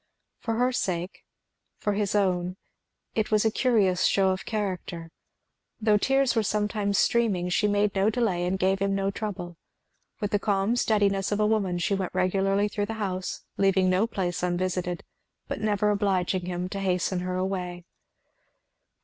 For her sake, for his own, it was a curious show of character. Though tears were sometimes streaming, she made no delay and gave him no trouble; with the calm steadiness of a woman she went regularly through the house, leaving no place unvisited, but never obliging him to hasten her away.